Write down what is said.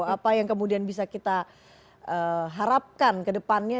apa yang kemudian bisa kita harapkan kedepannya